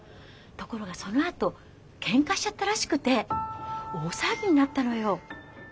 ところがそのあと喧嘩しちゃったらしくて大騒ぎになったのよ。